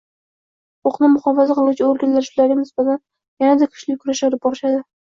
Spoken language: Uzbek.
Huquqni muhofaza qiluvchi organlar shularga nisbatan yanada kuchli kurash olib borishadi